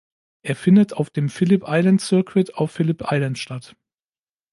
Er findet auf dem Phillip Island Circuit auf Phillip Island statt.